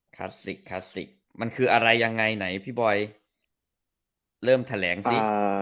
คลาสสิกคลาสสิกมันคืออะไรยังไงไหนพี่บอยเริ่มแถลงสิ